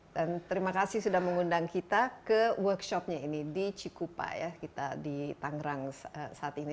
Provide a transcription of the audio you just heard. dan terima kasih sudah mengundang kita ke workshopnya ini di cikupa ya kita di tangerang saat ini